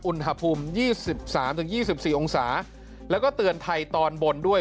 อุณหภูมิ๒๓๒๔องศาแล้วก็เตือนภัยตอนบนด้วย